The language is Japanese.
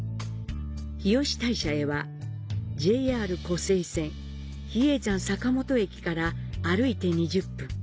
日吉大社へは、ＪＲ湖西線比叡山坂本駅から歩いて２０分。